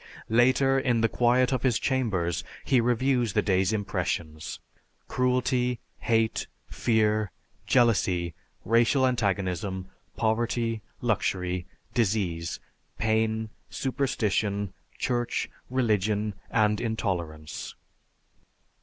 Later, in the quiet of his chambers, he reviews the day's impressions cruelty, hate, fear, jealousy, racial antagonism, poverty, luxury, disease, pain, superstition, church, religion, and intolerance.